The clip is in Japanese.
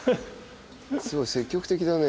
すごい積極的だね